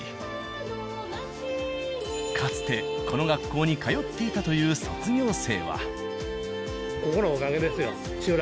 かつてこの学校に通っていたという卒業生は。